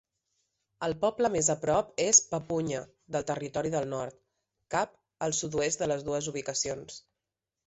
El poble més a prop és Papunya, del Territori del Nord, cap al sud-oest de les dues ubicacions.